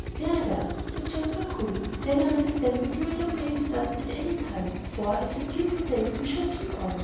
"Very well," said Jasper, coolly, "then I understand that you will not play with us at any time, for, as we begin to day, we shall keep on.